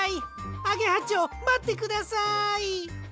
アゲハちょうまってください。